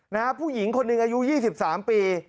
ผู้หญิงคนหนึ่งอายุ๒๓ปี